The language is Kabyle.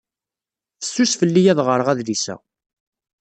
Fessus fell-i ad ɣreɣ adlis-a.